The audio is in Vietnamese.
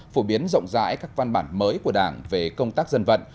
phổ biến rộng rãi các văn bản mới của đảng về công tác dân vận